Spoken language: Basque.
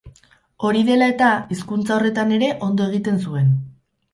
Hori dela eta, hizkuntza horretan ere ondo egiten zuen.